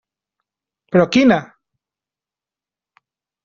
Però quina?